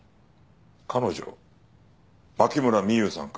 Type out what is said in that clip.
牧村美優さんか？